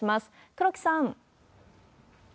黒木さん。